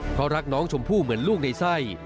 เพราะรักน้องชมพู่เหมือนลูกในไส้